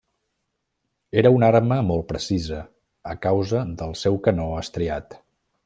Era una arma molt precisa a causa del seu canó estriat.